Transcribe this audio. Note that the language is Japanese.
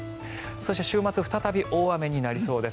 そして、週末再び大雨になりそうです。